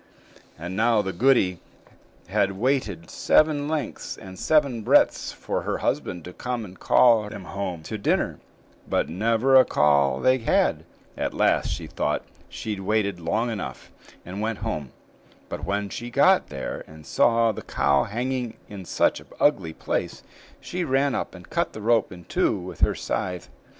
And now the goody had waited seven lengths and seven breadths for her husband to come and call them home to dinner; but never a call they had. At last she thought she'd waited long enough, and went home. But when she got there and saw the cow hanging in such an ugly place, she ran up and cut the rope in two with her scythe.